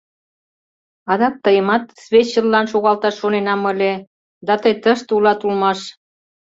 Адак тыйымат свечыллан шогалташ шоненам ыле, да тый тыште улат улмаш.